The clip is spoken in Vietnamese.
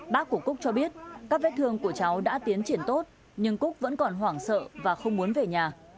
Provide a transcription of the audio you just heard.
bác của cúc cho biết các vết thương của cháu đã tiến triển tốt nhưng cúc vẫn còn hoảng sợ và không muốn về nhà